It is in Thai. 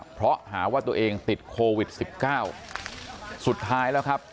เพราะหาว่าตัวเองติดโควิดสิบเก้าสุดท้ายแล้วครับ